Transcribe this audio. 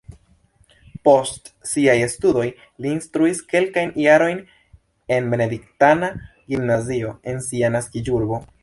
Post siaj studoj li instruis kelkajn jarojn en benediktana gimnazio en sia naskiĝurbo.